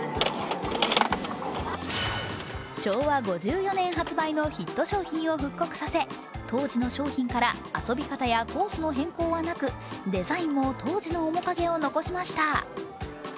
昭和５４年発売のヒット商品を復刻させ、当時の商品から遊び方やコースの変更はなくデザインも当時の面影を残しました。